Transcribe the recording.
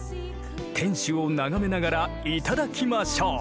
天守を眺めながらいただきましょう。